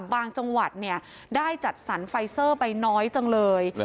จังหวัดได้จัดสรรไฟเซอร์ไปน้อยจังเลย